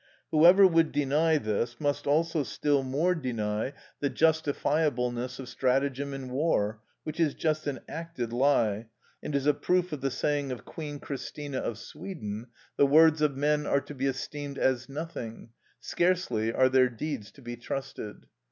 Whoever would deny this must still more deny the justifiableness of stratagem in war, which is just an acted lie, and is a proof of the saying of Queen Christina of Sweden, "The words of men are to be esteemed as nothing; scarcely are their deeds to be trusted."